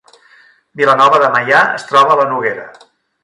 Vilanova de Meià es troba a la Noguera